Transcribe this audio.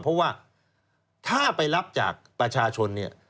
เพราะว่าถ้าไปรับจากประชาชนเนี่ย